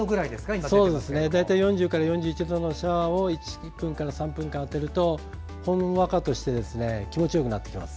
大体４０４１度くらいのシャワーを１分から３分間当てるとほんわかして気持ちよくなります。